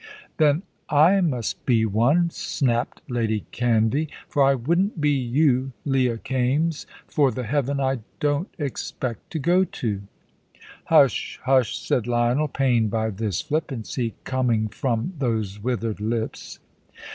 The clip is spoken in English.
"Then I must be one," snapped Lady Canvey; "for I wouldn't be you, Leah Kaimes, for the heaven I don't expect to go to." "Hush! hush!" said Lionel, pained by this flippancy coming from those withered lips.